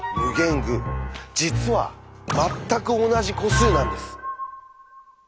実は「まったく同じ個数」なんです！